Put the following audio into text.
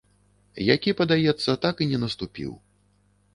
Які, падаецца, так і не наступіў.